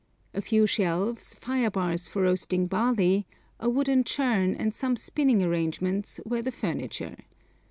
A few shelves, fire bars for roasting barley, a wooden churn, and some spinning arrangements were the furniture.